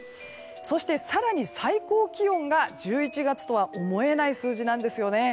そして、更に最高気温が１１月とは思えない数字なんですよね。